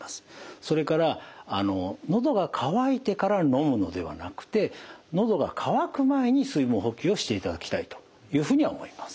それから喉が渇いてから飲むのではなくて喉が渇く前に水分補給をしていただきたいというふうには思います。